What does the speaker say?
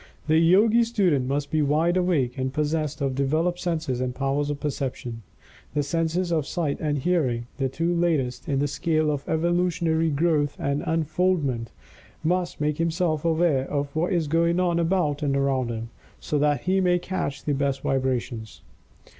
The Yogi student must be "wide awake" and possessed of developed senses and powers of Perception. The senses of Sight and Hearing, the two latest in the scale of Evolutionary growth and unfoldment, must receive a particular degree of attention. The student must make himself "aware" of what is going on about and around him, so that he may "catch" the best vibrations.